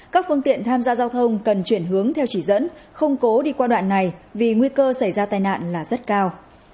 các phương tiện tham gia giao thông cần chuyển hướng theo chỉ dẫn không cố đi qua đoạn này vì nguy cơ xảy ra tai nạn là rất cao